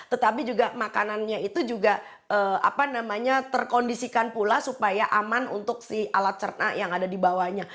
tetapi juga makanannya itu juga terkondisikan pula supaya aman untuk si alat cerna yang ada di bawahnya